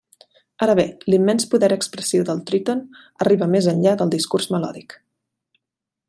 Ara bé: l'immens poder expressiu del tríton arriba més enllà del discurs melòdic.